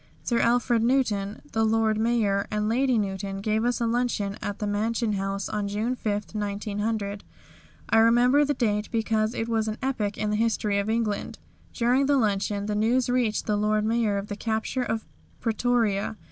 Sir Alfred Newton, the Lord Mayor, and Lady Newton gave us a luncheon at the Mansion House on June 5, 1900. I remember the date because it was an epoch in the history of England. During the luncheon the news reached the Lord Mayor of the capture of Pretoria.